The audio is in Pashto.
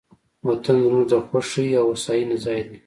وطن زموږ د خوښۍ او هوساینې ځای دی.